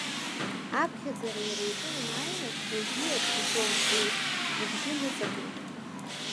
Аԥхьаӡара иара иҿы ианааилак, ҩажәиак иҳәон уи, ибжьы ныҵакны.